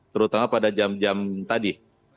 terutama pada jam jam tadi